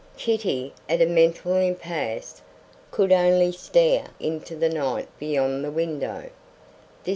Kitty, at a mental impasse, could only stare into the night beyond the window.